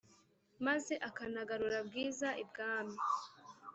maze akanagarura bwiza ibwami